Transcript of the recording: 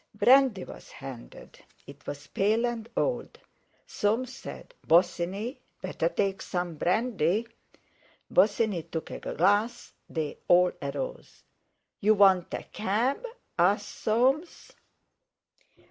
Brandy was handed; it was pale and old. Soames said: "Bosinney, better take some brandy." Bosinney took a glass; they all arose. "You want a cab?" asked Soames.